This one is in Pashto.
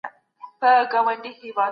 څه ډول حقونه د زیږون سره سم ترلاسه کیږي؟